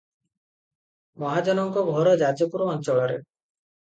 ମହାଜନଙ୍କ ଘର ଯାଜପୁର ଅଞ୍ଚଳରେ ।